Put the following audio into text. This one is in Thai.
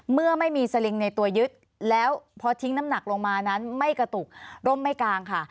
เมื่อไม่มีสลิงในตัวยึดแล้วพอทิ้งน้ำหนักลงมานั้นไม่กระตุกร่มไม่กลางค่ะ